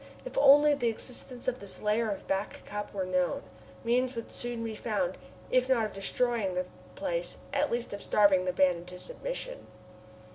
If only the existence of this lair of Back Cup were known! Means would soon be found, if not of destroying the place, at least of starving the band into submission!